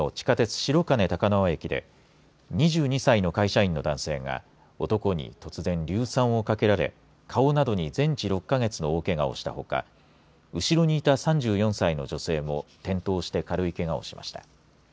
白金高輪駅で２２歳の会社員の男性が男に突然硫酸をかけられ顔などに全治６か月の大けがをしたほか後ろにいた３４歳の女性も転倒して軽いけがをしました。